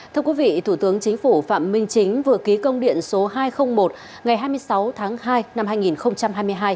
thưa quý vị thủ tướng chính phủ phạm minh chính vừa ký công điện số hai trăm linh một ngày hai mươi sáu tháng hai năm hai nghìn hai mươi hai